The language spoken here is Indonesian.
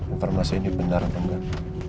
informasi ini benar atau enggak